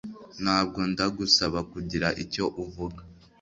Ntabwo ndagusaba kugira icyo uvuga